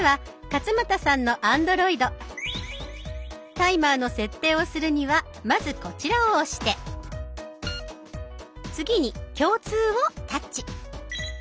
タイマーの設定をするにはまずこちらを押して次に「共通」をタッチ。